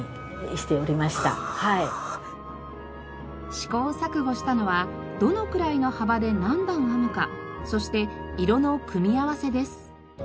試行錯誤したのはどのくらいの幅で何段編むかそして色の組み合わせです。